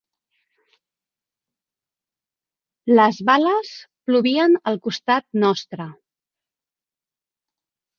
Les bales plovien al costat nostre.